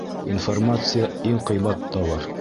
Информация -иң ҡыйбат тауар.